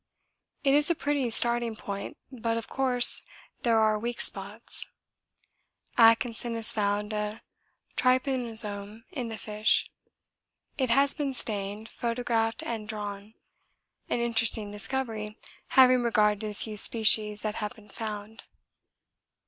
It is a pretty starting point, but, of course, there are weak spots. Atkinson has found a trypanosome in the fish it has been stained, photographed and drawn an interesting discovery having regard to the few species that have been found.